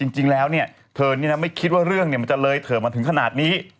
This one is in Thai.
จริงแล้วเนี่ยเธอนี่นะไม่คิดว่าเรื่องมันจะเลยเถิดมาถึงขนาดนี้